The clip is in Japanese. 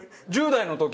１０代の時？